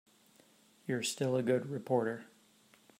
You're still a good reporter.